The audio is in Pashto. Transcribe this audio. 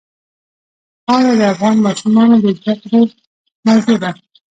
خاوره د افغان ماشومانو د زده کړې موضوع ده.